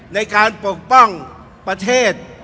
ในการปกป้องประเทศ